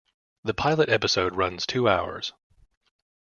The pilot episode runs two hours.